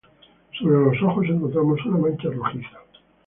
Sobre los ojos encontramos una mancha rojiza.